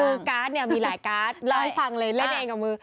คือการ์ดเนี่ยมีหลายการ์ดเล่าให้ฟังเลยเล่นเองกับมือ